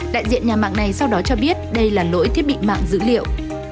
đại diện nhà mạng này sau đó cho biết đây là lỗi thiết bị mạng dữ liệu